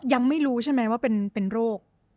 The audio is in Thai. ยังไม่รู้ใช่ไหมว่าเป็นโรค